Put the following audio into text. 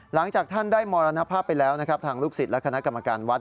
หลังจากท่านได้มรณภาพไปแล้วนะครับทางลูกศิษย์และคณะกรรมการวัด